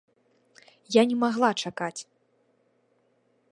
Я не магла чакаць.